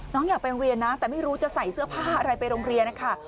อยากไปโรงเรียนนะแต่ไม่รู้จะใส่เสื้อผ้าอะไรไปโรงเรียนนะคะ